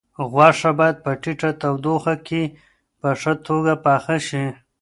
غوښه باید په ټیټه تودوخه کې په ښه توګه پخه شي.